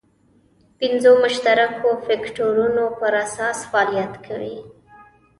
پنځو مشترکو فکټورونو پر اساس فعالیت کوي.